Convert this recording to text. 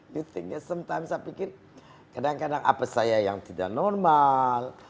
you think ya sometimes saya pikir kadang kadang apa saya yang tidak normal